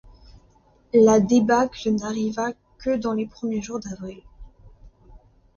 La débâcle n’arriva que dans les premiers jours d’avril.